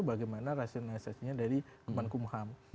bagaimana rasionalisasinya dari kemenkumham